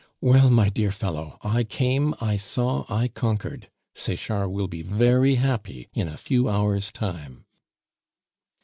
"Well, my dear fellow, I came, I saw, I conquered! Sechard will be very happy in a few hours' time."